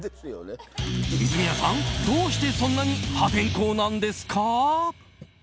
泉谷さん、どうしてそんなに破天荒なんですか？